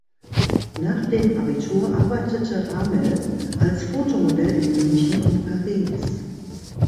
Nach dem Abitur arbeitete Ramel als Fotomodell in München und Paris.